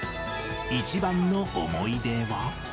一番の思い出は。